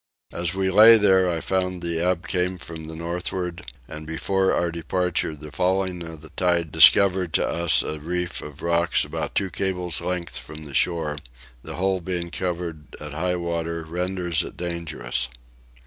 While we lay here I found the ebb came from the northward, and before our departure the falling of the tide discovered to us a reef of rocks about two cables length from the shore, the whole being covered at high water renders it dangerous.